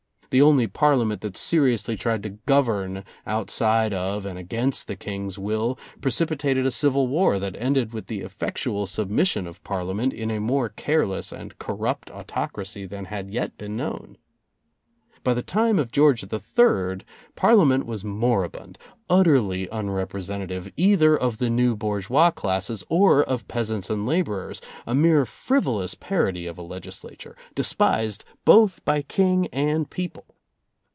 The only Parlia ment that seriously tried to govern outside of and against the King's will precipitated a civil war that ended with the effectual submission of Parlia [ 199] merit in a more careless and corrupt autocracy than had yet been known. By the time of George III Parliament was moribund, utterly unrepresenta tive either of the new bourgeois classes or of peasants and laborers, a mere frivolous parody of a legislature, despised both by King and people.